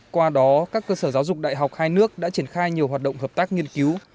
qua đó các cơ sở giáo dục đại học hai nước đã triển khai nhiều hoạt động hợp tác nghiên cứu